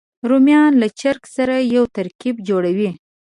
رومیان له چرګ سره یو ترکیب جوړوي